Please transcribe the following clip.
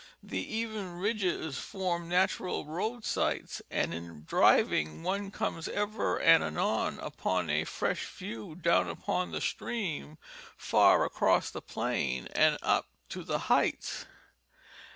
The even ridges form natural roadsites, and in driving one comes ever and anon upon a fresh view down upon the stream far across the plain and up to the heights.